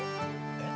えっ？